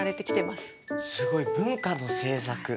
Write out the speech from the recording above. すごい文化の政策。